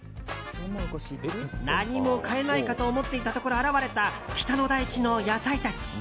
何も買えないかと思っていたところ現れた北の大地の野菜たち。